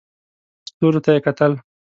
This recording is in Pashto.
ستورو ته یې کتل.